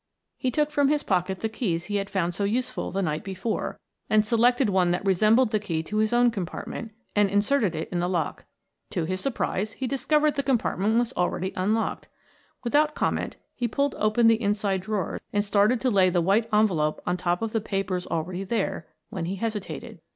He took from his pocket the keys he had found so useful the night before, and selected one that resembled the key to his own compartment, and inserted it in the lock. To his surprise he discovered the compartment was already unlocked. Without comment he pulled open the inside drawer and started to lay the white envelope on top of the papers already there, when he hesitated.